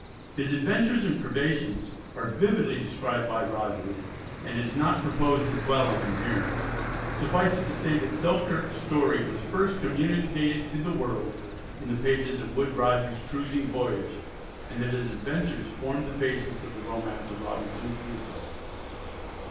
His adventures and privations are vividly described by Rogers, and it is not proposed to dwell on them here. Suffice it to say that Selkirk's story was first communicated to the world in the pages of Woodes Rogers's "Cruising Voyage," and that his adventures formed the basis of the romance of Robinson Crusoe.